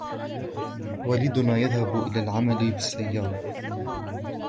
والدنا يذهب الي العمل بالسيارة.